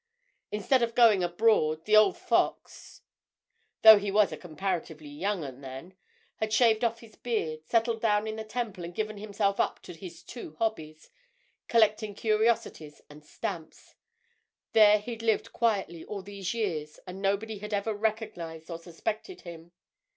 Instead of going abroad, the old fox—though he was a comparatively young 'un, then!—had shaved off his beard, settled down in the Temple and given himself up to his two hobbies, collecting curiosities and stamps. There he'd lived quietly all these years, and nobody had ever recognized or suspected him.